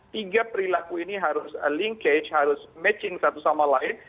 tiga perilaku ini harus linkage harus matching satu sama lain